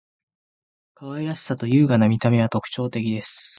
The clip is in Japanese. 可愛らしさと優雅な見た目は特徴的です．